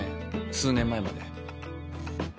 数年前まで。